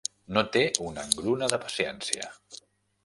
No té una engruna de paciència.